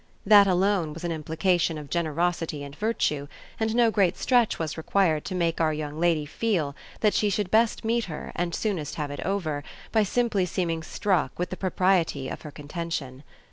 That alone was an implication of generosity and virtue, and no great stretch was required to make our young lady feel that she should best meet her and soonest have it over by simply seeming struck with the propriety of her contention.